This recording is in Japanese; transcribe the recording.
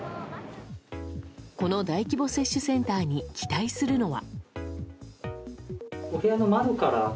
この大規模接種センターに期待するのは。